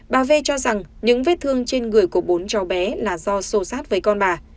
bà v cho rằng những vết thương trên người của bốn cháu bé là do sâu sát với con bà